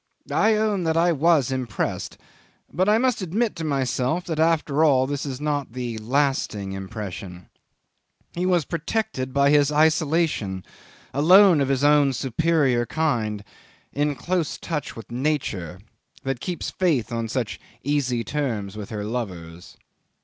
I own that I was impressed, but I must admit to myself that after all this is not the lasting impression. He was protected by his isolation, alone of his own superior kind, in close touch with Nature, that keeps faith on such easy terms with her lovers.